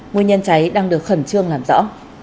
nguyên nhân cháy đang được khẩn trương làm rõ